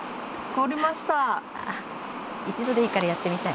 一度でいいからやってみたい。